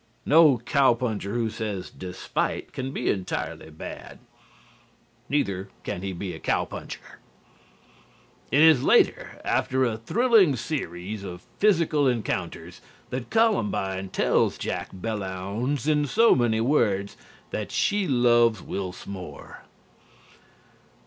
No cow puncher who says "despite" can be entirely bad. Neither can he be a cow puncher. It is later, after a thrilling series of physical encounters, that Columbine tells Jack Belllounds in so many words that she loves Wils Moore.